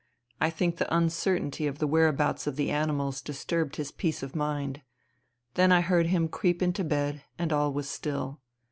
I think the uncertainty of the whereabouts of the animals disturbed his peace of mind. Then I heard him creep into bed, and all was still.